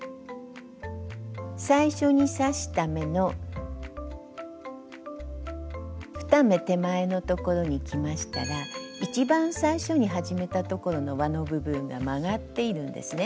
最初に刺した目の２目手前のところにきましたら一番最初に始めたところのわの部分が曲がっているんですね。